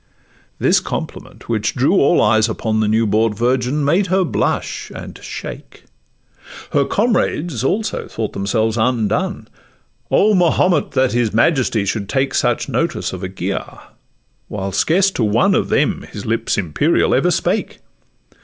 This compliment, which drew all eyes upon The new bought virgin, made her blush and shake. Her comrades, also, thought themselves undone: O! Mahomet! that his majesty should take Such notice of a giaour, while scarce to one Of them his lips imperial ever spake!